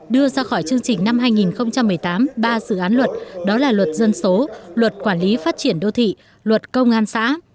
đưa ra khỏi chương trình năm hai nghìn một mươi tám ba dự án luật đó là luật dân số luật quản lý phát triển đô thị luật công an xã